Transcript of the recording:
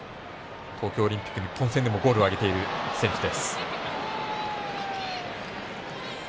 東京オリンピック日本戦でもゴールを挙げている選手です。